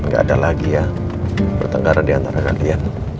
gak ada lagi ya bertengkaran diantara kalian